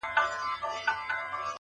• زما وجود مي خپل جانان ته نظرانه دی,